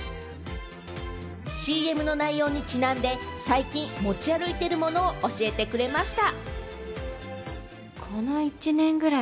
ＣＭの内容にちなんで、最近持ち歩いているものを教えてくれました。